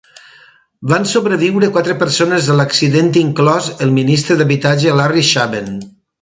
Van sobreviure quatre persones a l"accident, inclòs el ministre d"habitatge, Larry Shaben.